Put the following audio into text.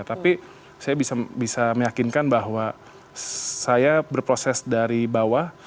tapi saya bisa meyakinkan bahwa saya berproses dari bawah